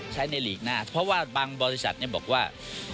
ใช้ในหลีกหน้าเพราะว่าบางบริษัทบอกว่า